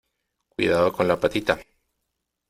cuidado con la patita .